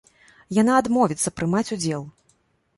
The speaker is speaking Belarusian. Яна адмовіцца прымаць удзел.